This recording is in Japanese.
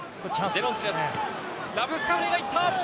ラブスカフニが行った。